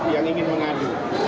yang ingin mengadu